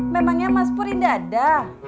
memangnya mas purr tidak ada